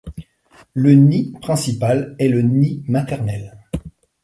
Le “Nid” principal est le “Nid Maternel”.